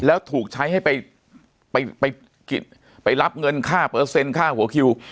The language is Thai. แล้วถูกใช้ให้ไปรับเงินค่าเปอร์เซ็นต์ค่าหัวคิว